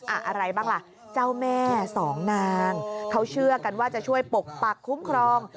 อะไรบ้างล่ะเจ้าแม่สองนางเขาเชื่อกันว่าจะช่วยปกปักคุ้มครอง